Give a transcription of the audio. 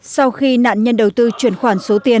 sau khi nạn nhân đầu tư chuyển khoản số tiền